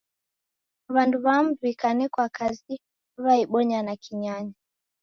W'andu w'amu w'ikanekwa kazi, w'aibonya na kinyanya.